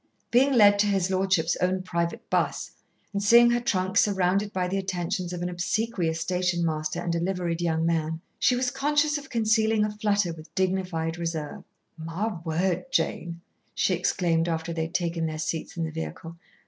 Being led to his lordship's own private bus, and seeing her trunk surrounded by the attentions of an obsequious station master and a liveried young man, she was conscious of concealing a flutter with dignified reserve. "My word, Jane!" she exclaimed after they had taken their seats in the vehicle.